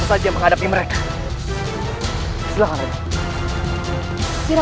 semoga allah selalu melindungi kita